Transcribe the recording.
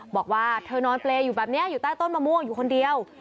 บอกว่าเธอนอนเปรย์อยู่แบบนี้อยู่ใต้ต้นมะม่วงอยู่คนเดียว